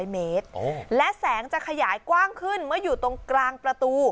๐เมตรและแสงจะขยายกว้างขึ้นเมื่ออยู่ตรงกลางประตู